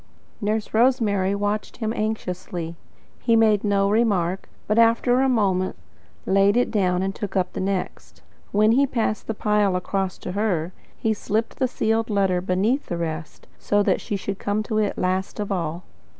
Nurse Rosemary watched him anxiously. He made no remark, but after a moment laid it down and took up the next. But when he passed the pile across to her, he slipped the sealed letter beneath the rest, so that she should come to it last of all.